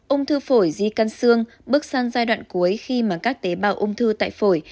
ung thư phổi di căn xương bước sang giai đoạn cuối khi mà các tế bào ung thư tại phổi